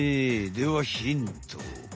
ではヒント！